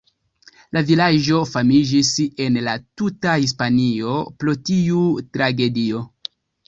La vilaĝo famiĝis en la tuta Hispanio pro tiu tragedio.